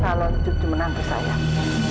salon cucu menantu sayang